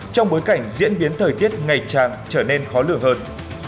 trong bối cảnh diễn biến thời tiết ngày tràng trở nên khó lừa hơn